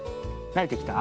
なれてきた。